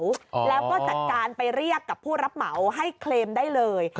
แล้วก็จัดการไปเรียกกับผู้รับเหมาให้เคลมได้เลย